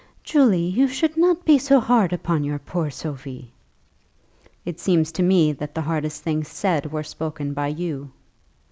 "Julie, you should not be so hard upon your poor Sophie." "It seems to me that the hardest things said were spoken by you."